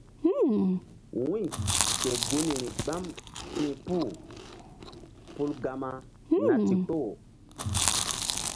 Wu̧y ke gunri gbam ti̧h puh pul Gama na ndikpoh.